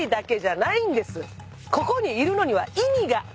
ここにいるのには。